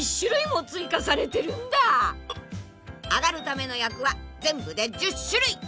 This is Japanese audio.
［あがるための役は全部で１０種類］